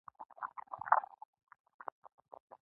مجاهد د الله نور خپروي.